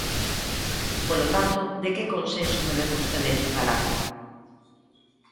Polo tanto, ¿de que consenso me vén vostede aquí falar?